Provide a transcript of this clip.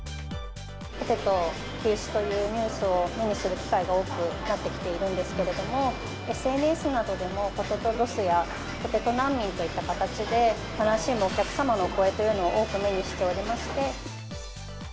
ポテト休止というニュースを目にする機会が多くなってきているんですけれども、ＳＮＳなどでもポテトロスやポテト難民といった形で、悲しむお客様のお声というのを多く目にしておりまして。